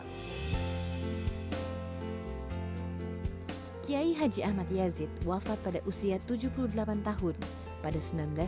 kiai haji ahmad yazid wafat pada usia tujuh puluh delapan tahun pada seribu sembilan ratus sembilan puluh